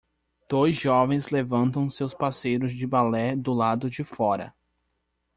Dois jovens levantam seus parceiros de balé do lado de fora.